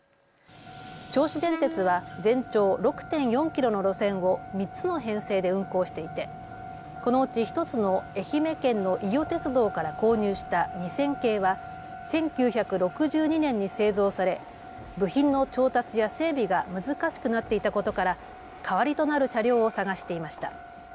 銚子電鉄は全長６．４キロの路線を３つの編成で運行していてこのうち１つの愛媛県の伊予鉄道から購入した２０００系は１９６２年に製造され部品の調達や整備が難しくなっていたことから代わりとなる車両を探していました。